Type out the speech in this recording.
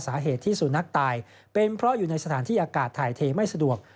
สาเหตุที่สุนัขตายเป็นเพราะอยู่ในสถานที่อากาศถ่ายเทไม่สะดวก